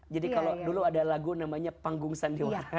jadi kalau dulu ada lagu namanya panggung sandiwara